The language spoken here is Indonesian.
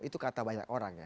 itu kata banyak orang ya